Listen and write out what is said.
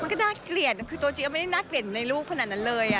ก็น่าเกลียดคือตัวจริงไม่ได้น่าเกลียดในลูกขนาดนั้นเลย